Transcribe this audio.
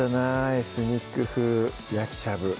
「エスニック風焼きしゃぶ」